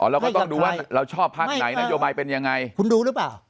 เราก็ต้องดูว่าเราชอบภาคไหนนโยบายเป็นยังไงคุณรู้หรือเปล่า